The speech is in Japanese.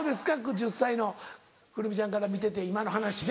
１０歳の来泉ちゃんから見てて今の話ね。